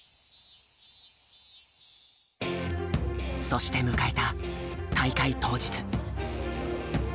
そして迎えた大会当日。